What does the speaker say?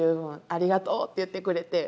ありがとう」って言ってくれて。